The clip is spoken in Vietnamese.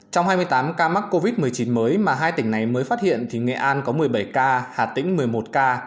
trong hai mươi tám ca mắc covid một mươi chín mới mà hai tỉnh này mới phát hiện thì nghệ an có một mươi bảy ca hà tĩnh một mươi một ca